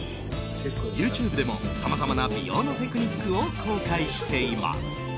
ＹｏｕＴｕｂｅでもさまざまな美容のテクニックを公開しています。